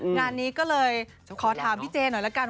งานนี้ก็เลยขอถามพี่เจหน่อยละกัน